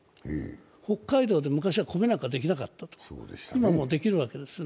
北海道で昔は米なんかできなかった、今はもうできるわけですね。